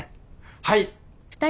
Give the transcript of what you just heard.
はい。